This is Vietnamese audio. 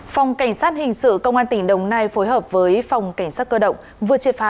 phòng cảnh sát hình sự công an tỉnh đồng nai phối hợp với phòng cảnh sát cơ động vừa triệt phá